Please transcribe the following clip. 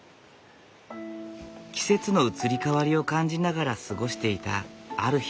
季節の移り変わりを感じながら過ごしていたある日。